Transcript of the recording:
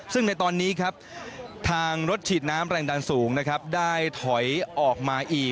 ซึ่งในตอนนี้ครับทางรถฉีดน้ำแรงดันสูงนะครับได้ถอยออกมาอีก